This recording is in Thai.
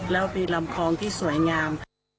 แล้วมีลำคลองที่สวยงาม